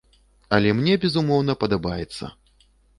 Але мне, безумоўна, падабаецца.